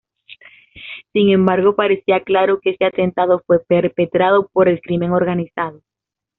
Sin embargo, parecía claro que este atentado fue perpetrado por el crimen organizado.